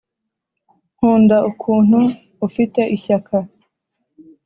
nkunda ukuntu ufite ishyaka